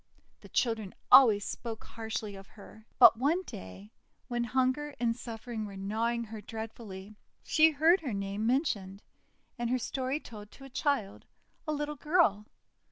The children always spoke harshly of her. But one day when hunger and suffering were gnawing her dreadfully, she heard her name mentioned, and her story told to a child — a little girl.